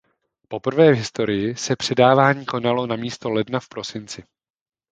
Poprvé v historii se předávání konalo namísto ledna v prosinci.